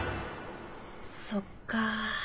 そっか。